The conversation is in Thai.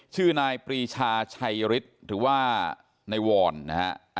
ชื่อนายปริชาชัยฤทธุ์หรือว่าในวรรณ์นะครับ